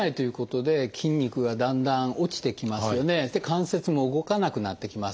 関節も動かなくなってきます。